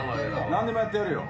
何でもやってやるよ。